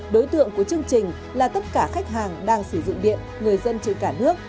đối tượng của chương trình là tất cả khách hàng đang sử dụng điện người dân trên cả nước